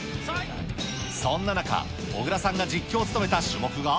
そんな中、小倉さんが実況を務めた種目が。